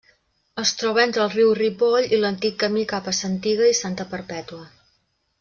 Es troba entre el riu Ripoll i l'antic camí cap a Santiga i Santa Perpètua.